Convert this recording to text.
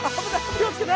気をつけて。